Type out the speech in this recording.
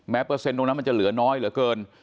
เปอร์เซ็นต์ตรงนั้นมันจะเหลือน้อยเหลือเกิน